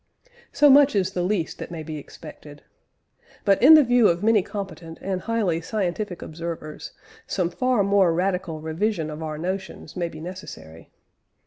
So much is the least that may be expected. But in the view of many competent and highly scientific observers, some far more radical revision of our notions may be necessary.